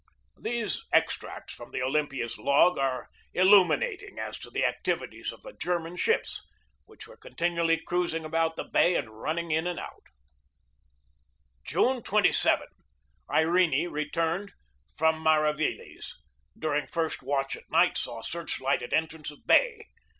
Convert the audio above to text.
These extracts from the Olympiads log are illu minating as to the activities of the German ships which were continually cruising about the bay and running in and out: "June 27 Irene returned from Mariveles. Dur ing first watch at night saw searchlight at entrance of bay.